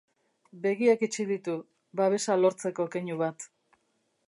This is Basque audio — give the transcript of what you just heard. Begiak itxi ditu, babesa lortzeko keinu bat.